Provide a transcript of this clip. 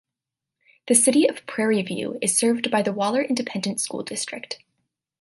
The City of Prairie View is served by the Waller Independent School District.